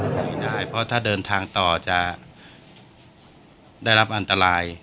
ไม่ได้เพราะถ้าเดินทางต่อจะได้รับอันตราย